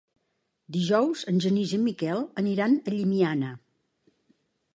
Dijous en Genís i en Miquel aniran a Llimiana.